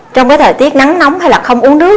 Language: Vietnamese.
trong cái thời tiết nắng nóng hay là không uống nước